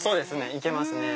行けますね。